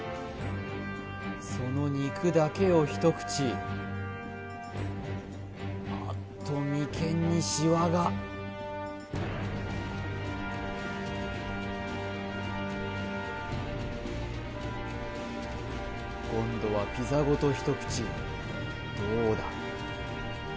その肉だけを一口あっと眉間にシワが今度はピザごと一口どうだ？